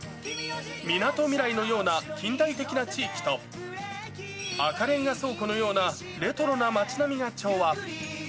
みなとみらいのような近代的な地域と、赤レンガ倉庫のようなレトロな街並みが調和。